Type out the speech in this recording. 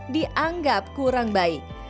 dianggap kurang baik